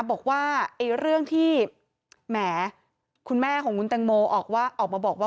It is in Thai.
บอกว่าเรื่องที่แหมคุณแม่ของคุณแตงโมออกมาบอกว่า